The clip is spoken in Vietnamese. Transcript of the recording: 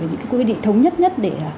những quy định thống nhất nhất để